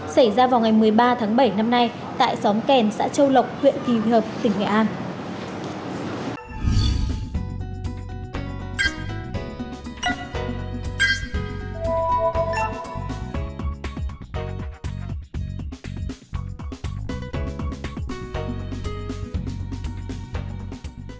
xảy ra vào ngày một mươi ba tháng bảy năm nay tại xóm kèn xã châu lộc huyện quỳ hợp tỉnh nghệ an